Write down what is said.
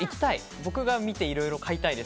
僕が見ていろいろ買いたいです。